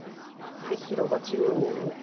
白が中央を。